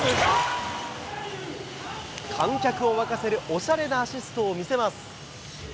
観客を沸かせるおしゃれなアシストを見せます。